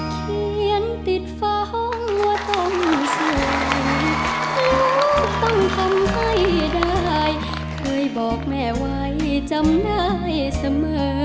เขียนติดฟ้าห้องว่าต้องสวยลูกต้องทำให้ได้เคยบอกแม่วัยจำได้เสมอ